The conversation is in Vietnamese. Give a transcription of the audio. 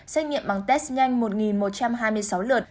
xét nghiệm bằng test nhanh một một trăm hai mươi sáu lượt